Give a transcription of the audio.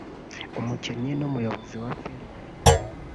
umukinnyi n’umuyobozi wa film